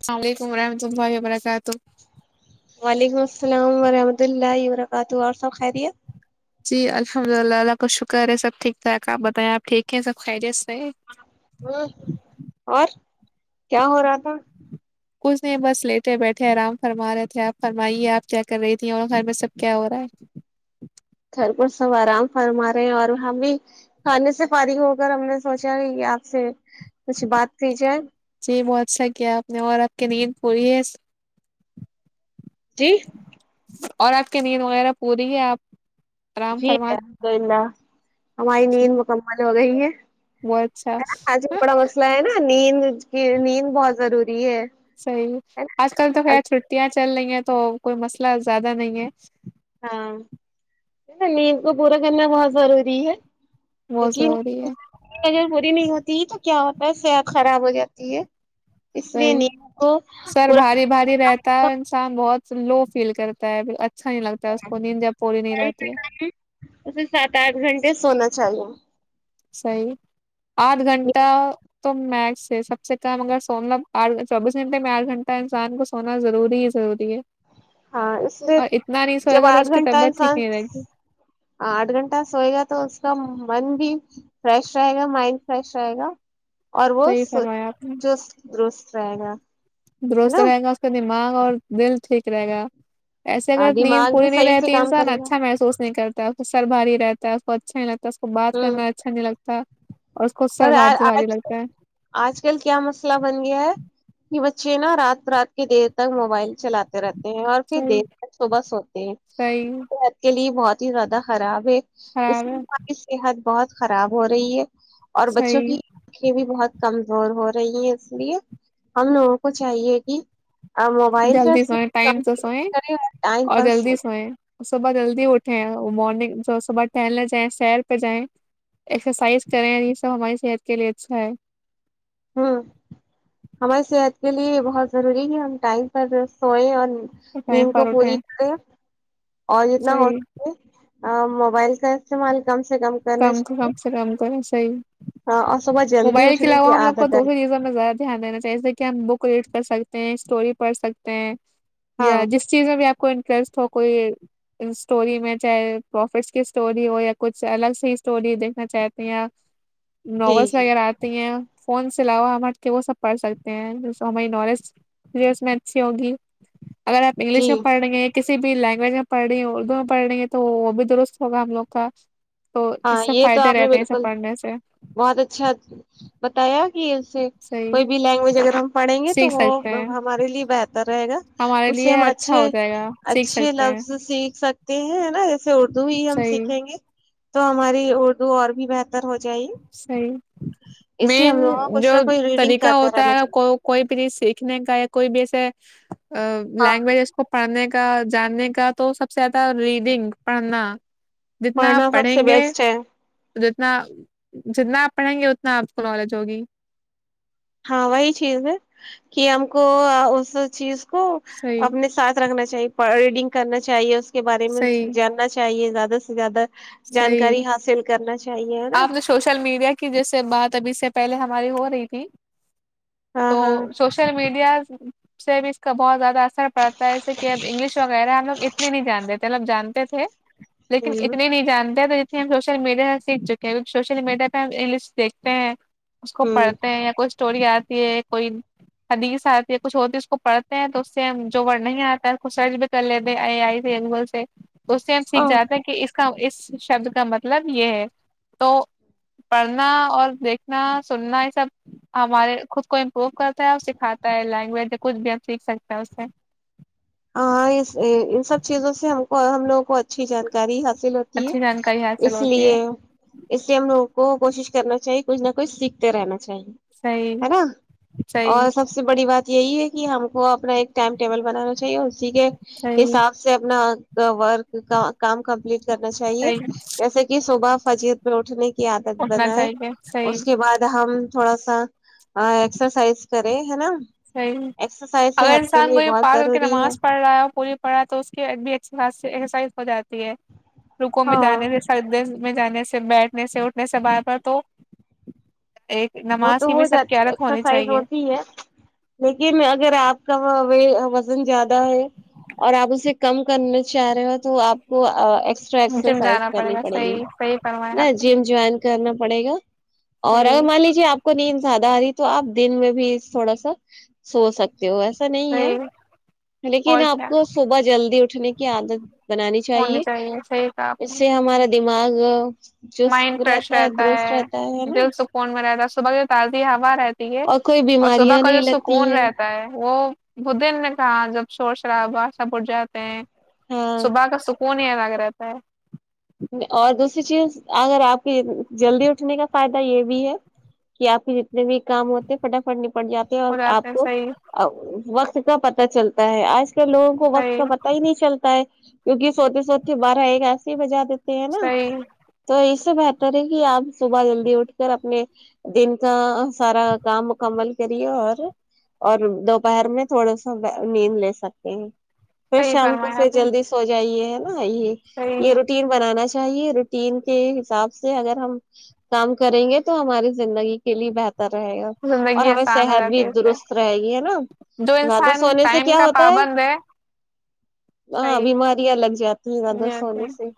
السلاملیکم و رحمۃ اللہ وبرکاتہ وعلیکم السلام وورحمت اللہ وورکم تو اور سب کھ رہی ہے جی الحمد اللہ اللہ کا شکر ہے سب ٹھیک ھ آپ بتائیں آپ ٹھیک ہے سب خیریت ہیں؟ ہ اور کیا ہو رہا تھا کچھ نہیں بس لیٹے بیٹھے آرام فرما رہے تھے آپ فرمائیے آپ کیا کر رہی تھی اور گھر میں سب کیا ہو رہا ہے گھر کو سب آرام فرما رہے ہیں اور ہم بھی کھانے سے فارغ ہو کر ہم نے سوچا آپ سے کچھ بات کی جائے یہ بہت اچ سا کیا آپ نے اور آپ کی نیند کوئی ہے جی اور آپ کی نیند وغیرہ پوری ہے آپ آرام جی فرما ہے گئندہ ہماری جی نیند مکمل ہو گئی ہے بہت اچھا نا آج بھی ہاں، بڑا مسئلہ ہے نا نیند کی نیند بہت ضروری بھی ہے صحی ہے آج کل تو نا ہےیر چھٹیا چل رہی ہیں تو کوئی مسئلہ زیادہ نہیں ہے نیند کو پورا کرنا بہت ضروری ہے بہت پی ضروری ہے نہیں ہوتی ہے تو کیا ہوتا ہے صحت خراب ہو جاتی ہے اس لیے وہی نیند کو سر پورا بھاری بھاری رہتا ہے انسان بہت لو فیل کرتا ہےھ اسے سات آٹھ گھنٹے سونا چالو صی آھ گھنٹہ تو میک سب چکاام م گگر سورم آٹ چوبیس گھنٹے میںٹھ گھنٹ انسان کو سونا روری ہے ضروری ہے ہاں اس لیے اور اتنا نہیں سوئے جب گا تو آٹھ اس کی گھنٹہ طبیعت ٹھیک انسان نہیں رہے گی ہاں آٹھ گھنٹہ سوئے گا تو اس کا من بھی فریش رہے گا مائنڈ فریش رہے گا اور وہ صحیح س فرمایا آپ نے چست درست رہ گا ہے درست رہے نا گا اس کا دن دماغ اور دل ٹھیک رہے گا ایسے اگر نیند دماغ بھی پوری نہیں صحیح سے رہتی کام انسان کرے گا اچھا محسوس نہیں کرتا سر باری رہتا ہے کو اچھا ہیتا اس کو بات ہوں کرنا اچھا نہیں لگتا س اور آج کل آج کل کیا مسئلہ بن گیا ہے کہ پچھے نا رات رات کی دیر تک موبائل چلاتے رہتے ہیں اور پھر صحیح دیر ب صبح سوتے ہیں صحیح صحت کے لیے بہت ب زیاد خراب ہے اس خراب لی ہے ہماری صحت بہت خراب ہو رہی ہے اور بچوں صحیح کی آکھھیے بھی بہت کمزور ہو رہی ہیں اس لیے ہم لوگوں کو چاہیے کہ موبائل جلدی سے سوئیں ٹائم سے سوئیں کرے اور ٹائم اور پرس ہو جلدی سوئیں صبح جلدی اٹھیں وہ مارننگب صبح ٹہلنے جائیں سیر پہ جائیں ایکسرسائز کریں یہ سب ہماری صحت کے لیے اچھا ہے ہوں ہماری صحت کے لیے بہت ضروری ہے ہم ٹائم پر سوئے اور ٹائم نیم کو پر اٹھیں پوری کرتے اور جتنا ہو صحیح سک موبائل کا سے ملک کم کام کا کام سے کام کر صی ہاں موبائل کے علاو ہم لگ کو دوسری چیزوں میں زیادہ دھیان دین چاہیے کہ ہم بک ریڈ کر سک ہیں س ہیں اسٹوری پڑھ سکتے ہیں ہاں یا جس چیز میں بھی آپ کو انٹٹ ہو کوئی اسٹوری میں چاہے پروفٹس کی اسٹوری ہو یا کچھ الگ سے اسٹوری دیکھنا چاہتے ہیں یا جی نوس جی ویرہ آتی ہیں فون سے علاوہ ہم ہٹ کے وہ سب پڑھ سکتے ہیں جو س ہماری نالج پ اس میں اچھی ہوگی اگر انگلش جی پڑ کسی بھی لینگویج میں پڑھ رہی ہے اردو میں پڑھ رہی ہے تو وہ بھی درست ہوگا ہم لوگ کا تو ہاں اس سےب یہ تو فائدے آپ نے رہتے ہیں اسب بالکل پڑھنے سے بتایا ج سے صحیح کوئی بھی لینگویج اگر ہم پڑھیں گے تو سیکھ سکتے وہ ہیں ہمارے لیے بہتر رہے گا ہمارے اس سے لیے ہم اچھا اچھے ہو جائے گا سیکھ سکتے ہیں س سکتے ہیں نا ج سے اردو ہی ہم صحیح سیکھیں گے تو ہماری اردو اور بھی ب صحیح اس لیے ہم مین لوگوں کو جو کچھ نہ کوئی ریڈنگ طریقہ کرتے ہوتا رہنا ہے چاہیے کو کوئی بھی چیز سیکھنے کا یا کوئی بھی ایسے لینگویجز کو پڑھنے کا جاننے کا تو سب سے زیادہ ریڈنگ پڑھنا مڑنا سب سے بیسٹ ہے تو جتنا جتنا آپ پڑھیں گے اتنا آپ کو نالج ہوگی ہاں وہی چیز ہے کہ ہم کو اس چیز کو صحیح اپنے ساتھ رکھنا چاہیے ریڈنگ کرنا چاہیے اس کے بارے میں صحیح جاننا چاہیے زیادہ د س گ ادا صحیح ہے نا آپ نے سوشل میڈیا کی جیسے بات ابھی سے پہلے ہماری ہو رہی تھی ہاں تو ہاں سوشل میڈیا س میں اس کا بہت زیادہ اثر پڑتا ہے ایسے کہ اب انگلش وغیرہ ہم لگ اتنے نہیں جانتے ملب جانتے تھے لیکن ہوں اتنے جانتے ہیں تو جتنے ہم سوشل میڈیا سے سیکھ چکے ہیں کیکہ سوشل میڈیا پہ ہم انگلسٹیکھتے ہیں اس کو ہ پڑھتے ہیں یا کچھ اسٹوری آتی ہے کوئی حدیث آتی ہے کچھ ہوتی ہے اس کو پڑھتے ہیں تو اس سے جو ور نہیں آتا ہے سرچ بھی کر لیتے ا آئی گوگل سے اس سے ہم سیکھ ہاں جاتے ہیں کہ اس کا اس شبد کا مطلب یہ ہے تو پڑھنا اور دیکھنا سننا یہ سب ہمارے خود کو امپروو کرتا ہے اور سکھاتا ہے لینگویج کچھ بھی ہم سیکھ سکتے ہیں اس سے ان سب چیزوں سے ہم لوگوں کو اچھی جانکاری ہوتی ہے اچھی جانکاری حاصل اس ہوتی لیے ہے اس لیے ہم لوگوں کو کوشش کرنااہے کچھ نہ کچھ سیکھتے رہنا ا صحیح ہے نا صحیح اور سب سے بڑی بات یہی ہے کہ ہم کو اپنا ایک ٹائم ٹیبل بنانا [inaudible] [unintelligible] ٹھیک ہے صحیح حساب سے اپنا ورک کام کمپلیٹ کرنا چاہیے صحیح جیسے کہ صبح فضیل میں اٹھنے کی عادت اٹھنا بنائے چاہیے صحیح اس کے بعد ہم تھوڑا سا ایکسرسائز کرے ہے نا صی ایکسرسائز اگر صحت کے انسان لیے کوئی بہت پال ضروری ہے نمازڑ رہا ہے وہ پوری پڑھا ہے تو اس کی ایک بھی اچھی خاص ہو جاتی ہے رکوں میں ہاں جانے تھے سردے میں جانے سے بیٹھنے سے اٹھنے سے باہ پر تو ایک وہ نماز تو کی ہو بھی سب کی جاتی عادت ہونی ایکسرسائز چاہیے ہوتی ہے لیکن اگر آپ کا وزن زیادہ ہے اور آپ اسے کم کرنا چاہ رہے ہو تو آپ کو ٹرا جم ایکسرسائز جانا کرنی گا پڑے گی صحیح صحیح فرمایا نا آپ نے جم جوائن کرنا [inaudible] اور صحیح مالک ن زیادہ آ رہی تو آپ دن میں بھی تھوڑا سا سو سکتے ایسا نہیں صحیح ہے لیکن اور آپ کیا کو صبح جلدی اٹھنے کی عادت بنانی ہونی چاہیے صحیح کہا آپ اس نے سے ہمارا دماغ چست مائنڈ فریش رہتا درست ہے رہتا ہے نا دل سکون میں رہتا ہے صبح تازی ہوا رہتی ہے اور کوئی اور صبح بیماریاں کا جو نہیں لگتی سکون ہیں رہتا ہے وہ بدین نے کہا جب شور شرابہ سا بٹھ جاتے ہیں ہاں سباگ سک سکون ہے الگ رہتا ہے اور دوسری چیز اگر آپ کی جلدی اٹھنے کا فائدہ یہ بھی ہے کہ آپ کے جتنے بھی کام ہوتے ہیں فٹافٹ پڑ جاتے ہیں اور ہو آپ ہیں کو صحیح وقت [unintelligible] لوگوں کو وقت صحیح کا پتتا ہی نہیں چلتا ہے کیونکہ سوتے سوتے بارہ ایک ایسی ہی وجا دی ہیں نا صحیح تو اس تو میں تو نہیں کہ اپ صبح جلدی اٹھ کر اپنے دن کا سارا کام مکمل کریے اور اور دوپہر میں تھوڑا سا نیند لے سکتے ہیں پھر صحیح شام کو فرمایا پھر آپ نے جلدی سو جائیے یہ صحیح یہ روٹی چاہیے روٹین کے حساب سے اگر ہم کام کریں گے تو ہماری زندگی کے لیے بہتر رہے گا اور زندگی ہمیں آسان ہو صحت جاتی بھی ہے اس سے درست رہے گی ہے نا جو زیادہ انسان سونے سے ٹائم کیا کا ہوتا ہے پابند ہاں صحیح بیماریاں لگ جاتی ہیں زیادہ سونے سے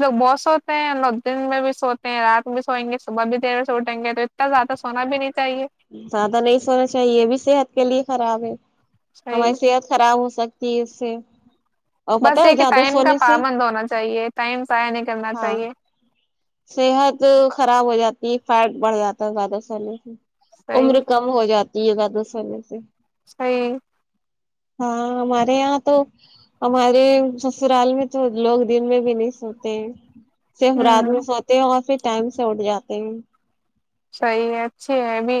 لو بہت سوتے ہیں لو دن میں بھی سوتے ہیں رات میں بھی سوئیں گے صبح بھی دیر ب سےوٹتے ے تو اتنا زیادہ سونا بھی نہیں چاہیے زیادہ نہیں سونا چاہیے بھی صحت کے لیے خراب ہے صحیح ہماری صحت خراب ہو سکتی [unintelligible] بس ہے یہ کہ زیادہ ٹائم کا سونے سے پابند ہونا چاہیے ٹائم ضائع نہیں کرنا ہاں چاہیے صحت خراب ہو جاتی ہے فیٹ بڑھ جاتا ہے زیادہ سہنے سے صحیح عمر کم ہو جاتی ہے گ [unintelligible] صحی ہاں ہمارے یہاں تو ہمارے سسرال میں تو لوگ دن میں بھی نہیں سوتے ہیں صرف رات میں ہوں اور پھر ٹائم سے اٹھ جاتے ہیں صحی ہے اچھے ہے ابھی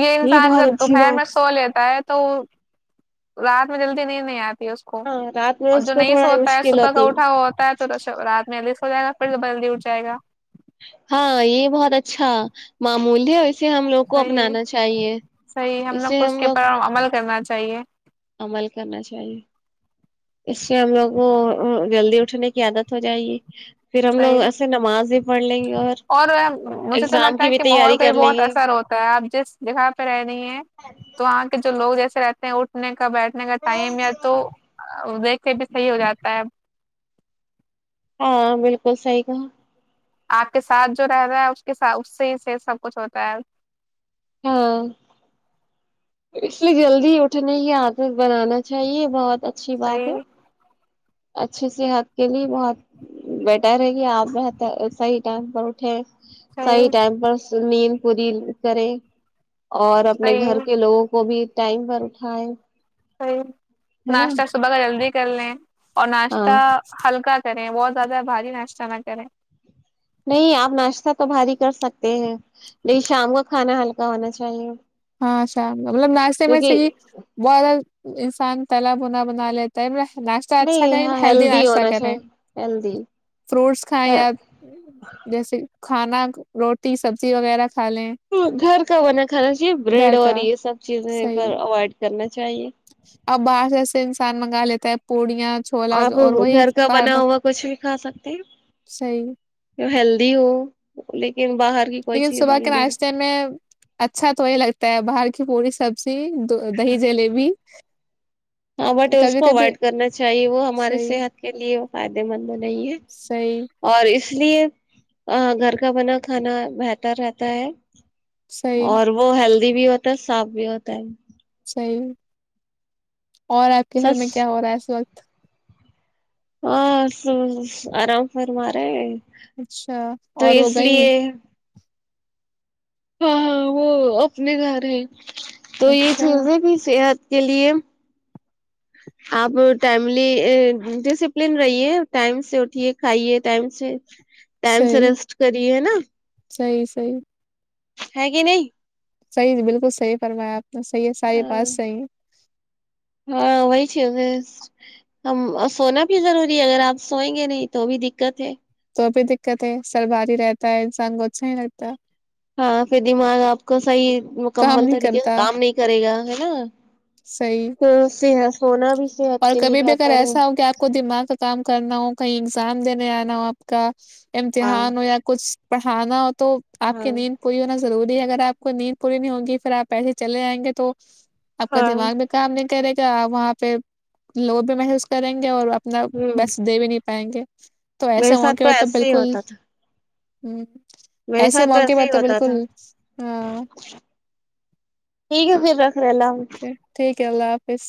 یہ انسان بہت جب اچھی دوپہر میں بات سو لیتا ہے تو رات میں جلدی نہیں نہیں آتی اس کو ہاں رات میں اور اس جو کو نہیں تھوڑا سو ہوتا ہے مشکل صبح کا ہوتی اٹھا ہوا ہوتا ہے تو رات میںس ہوگا پڑ کے بند ہی اٹ جائے گا ہاں یہ بہت اچھا معموول ہے اس سے ہم لوگ کو صحیح اپنانا چاہیے صحیح اس سے کو ہم کے لوگ اوپر عمل کرنا چاہیے عمل کرنا چاہیے اس سے ہم لوگ کو جلدی اٹھنے کی عادت ہو جائے گی پھر ہم لوگ صحیح ایسے نماز بھی پڑھ لیں گے اور مجھے تو ایگزام لگتا کی ہے بھی کہ ماحول تیاری کا بھی کر لیں بہت گے اثر ہوتا ہے آپ جس جگہ پہ رہ رہی ہیں تو وہاں کے جو لوگ جیسے رہتے ہیں اٹھنے کا بیٹھ اننگا ٹائم آت تویک سے بھی صحیح ہو جاتا ہے ا ہاں بالکل صحی کا آپ کے ساتھ جو رہتا ہے اس کےاتھ اس سے ہی سے سب کچھ ہوتا ہے ہاں اس لیے جلدی اٹھنے کی عادت بنانا چاہیے بہت اچھی بات صحیح ہے اچھی صحت کے لیے بہت بیٹر رہ کہی آپ رہ صحیح ٹائم پر اٹھے صحیح ٹائم پر نید پورل اکر اور اپنے صحیح گھر کے لوگوں کو بھی ٹائم پر اٹھائے صی ہے نا ناشتہ صبح کا جلدی کر لیں اور ناشتہ ہاں ہلکا کریں بہت زیادہ بھاری ناشتہ نہ کریں نہیں آپ ناشتہ تو بھاری کر سکتے ہیں نہیں شام کا کھانا ہلکا ہونا چاہیے ہاں شا مطلب ناشتے میں سے کیونکہ کی بہت انسان تلا بنا بنا لیتا ہے ب ناشتہ اچھا نہیں کریں ہاں ہیلدی ناشتہ ہونا کریں چاہیے ہیلدی فروٹس کھائیں یا جیسے کھانا روٹی سبزی وغیرہ کھا لیں گھر کا بنا کھانا چی بریڈ گھر اور یہ سب چیزیں اوائڈ کر ا باہر جیسے انسان میں گا لیتا ہے پوڑ آپ گھر کا بنا ہوا کچھ بھی کھا سکتے صحیح ہیں ہیلدی ہو لیکن باہر کی کوئی لیکن چیز صبح کے نہیں دینا ناشتے میں اچھا تو وہی لگتا ہے باہر کی پوری سب سے ج دو دہی جلیبی ہاں بٹ اس کبھی کو کبھی اوائڈ کرنا چاہیے وہ ہماری صحیح صحت کے لیے فائدے مند نہیں ہے صحیح اور اس اس لیے گھر کا بنا کھانا بہتر رہتا ہے صحیح اور وہ ہیل بھی ہوتا ہے صاف بھی ہوتا ہے نہیںین اور آپ کے گھر سس میں کیا ہو رہا ہے اس وقت ہاں آرام ف مارے اچھا اور وہ گئیں ہاں ہاں وہ اپنے گھر ہے تو یہ اچھا چیز ہے کہ صحت دلی آپ ٹائملی ڈسپلین رہیے ٹائم سے اٹھیے کھائیے ٹائم سے ٹائم سے صحیح ریسٹ کریے ہے نا صحیح صحیح ہ کہ نہیں صحیحی بالکل صح فرما آپ تو صحیح ہے سارے ہاں پاس صحی ہے اچھ ہم سونا بھی ضروری ہے اگر آپ سوئیں گے نہیں تو اب دقت ہے وہ بھی دقت ہے سر باری رہتا ہے انسان کو اچھا ہی لگتا ہے ہاں پھر دماغ آپ کو صحیح کام مکمل نہیں طریقے سے کرتا کام نہیں کرے گا ہے نا صحیح ہ سیح اور کبھی بھی اگر ایسا ہو کہ آپ کو دماغ کا کام کرنا ہو کہیں اگزام دینے آنا ہو آپ کا ام ت ہاں ہار ن یا کچھ پڑھانا تو آپ کی ہاں نیند کوئی ہو نہ ضروری ہے اگر آ کو نیند پوری نہیں ہوگی پھر آ ایسے چلے جائیں گے تو آپ کا ہاں دماغ میں کام نہیں کرے چ وہاں پھر لوگ بھی محسوس کریں گے اور آپ مطلب ہوں بس دے بھی نہیں پائیں گے تو میرے ساتھ تو ایسے ہی ہوتا تھا ہوں میرے ساتھ تو ایسا ہی ہوتا تھا ہاں ٹھیک ہے پھر ر لام اک اللہ حافظ